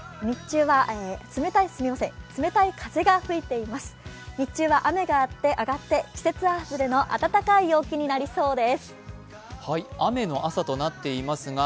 日中は冷たい風が吹いています。